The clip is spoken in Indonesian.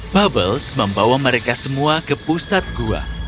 bubbles membawa mereka semua ke pusat gua